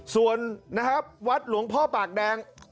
ส่วนนะครับวัดหลวงพ่อปากแดง